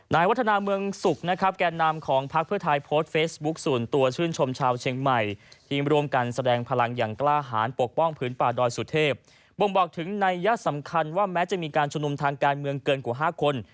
วัฒนาเมืองสุขนะครับแก่นำของพักเพื่อไทยโพสต์เฟซบุ๊คส่วนตัวชื่นชมชาวเชียงใหม่ทีมรวมกันแสดงพลังอย่างกล้าหารปกป้องพื้นป่าดอยสุเทพบ่งบอกถึงนัยยะสำคัญว่าแม้จะมีการชุมนุมทางการเมืองเกินกว่า๕คน